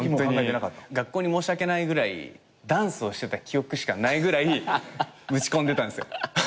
学校に申し訳ないぐらいダンスをしてた記憶しかないぐらい打ち込んでたんすよ。